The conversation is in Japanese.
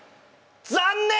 残念！